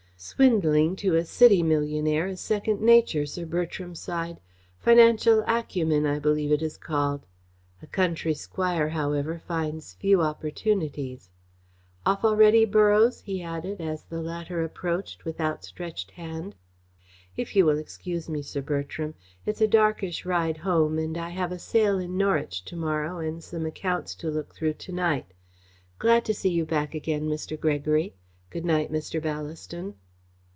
"Swindling to a city millionaire is second nature," Sir Bertram sighed; "financial acumen, I believe it is called. A county squire, however, finds few opportunities. Off already, Borroughes?" he added, as the latter approached with outstretched hand. "If you will excuse me, Sir Bertram. It's a darkish ride home and I have a sale in Norwich to morrow and some accounts to look through to night. Glad to see you back again, Mr. Gregory. Good night, Mr. Ballaston."